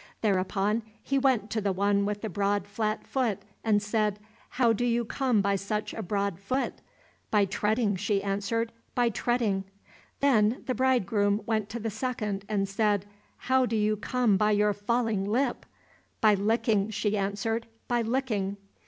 Thereupon he went to the one with the broad flat foot, and said, "How do you come by such a broad foot?" "By treading," she answered, "by treading." Then the bridegroom went to the second, and said, "How do you come by your falling lip?" "By licking," she answered, "by licking."